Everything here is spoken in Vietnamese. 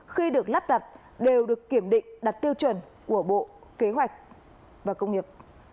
khi được lắp đặt đều được kiểm định đặt tiêu chuẩn của bộ kế hoạch và công nghiệp